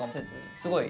すごいね。